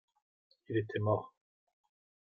Il était mort.